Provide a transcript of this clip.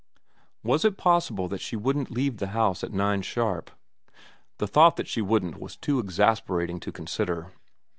Was it possible that she wouldn't leave the house at nine sharp ? The thought that she wouldn't was too exasperating to consider.